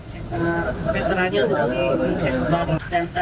nah meterannya ada di pengecekan